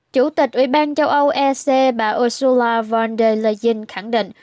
chủ tịch ủy ban châu âu ec bà ursula von der leygin khẳng định